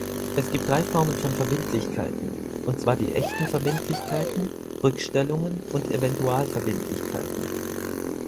Es gibt drei Formen von Verbindlichkeiten, und zwar die echten Verbindlichkeiten, Rückstellungen und Eventualverbindlichkeiten.